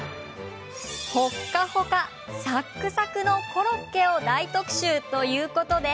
ほっかほか、サックサクのコロッケを大特集！ということで。